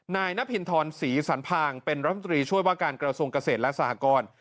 นายนพินทรศรีสันพางเป็นรัฐมนตรีช่วยว่าการกระทรวงเกษตรและสหกร